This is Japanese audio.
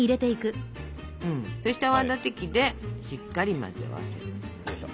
そして泡立て器でしっかり混ぜ合わせる。